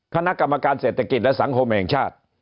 คณะกรรมการเศรษฐกิจและสังคมแห่งชาติ